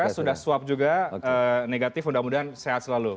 sudah swab juga negatif mudah mudahan sehat selalu